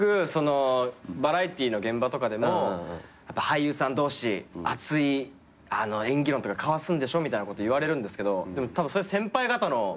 バラエティーの現場とかでも俳優さん同士熱い演技論とか交わすんでしょみたいなこと言われるんですけどたぶんそれは先輩方の。